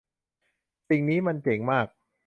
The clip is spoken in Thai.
สิ่งนี้มันเจ๋งมาก !